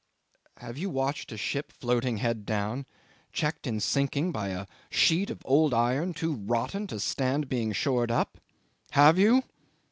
Have you watched a ship floating head down, checked in sinking by a sheet of old iron too rotten to stand being shored up? Have you?